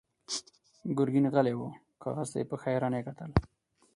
ګرګين غلی و، کاغذ ته يې په حيرانۍ کتل.